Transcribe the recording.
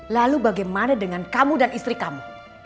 lalu bagaimana dengan kamu dan istri kamu